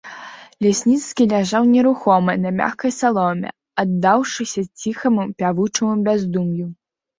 Лясніцкі ляжаў нерухома на мяккай саломе, аддаўшыся ціхаму пявучаму бяздум'ю.